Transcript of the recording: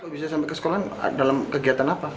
bisa sampai ke sekolah dalam kegiatan apa